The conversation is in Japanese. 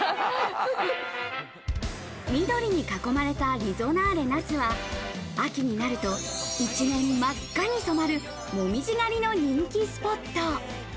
緑に囲まれたリゾナーレ那須は秋になると一面真っ赤に染まる、紅葉狩りの人気スポット。